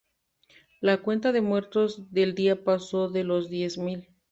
La cuenta de muertos del día pasó de los diez mil.